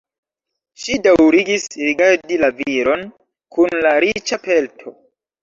Ŝi daŭrigis rigardi la viron kun la riĉa pelto.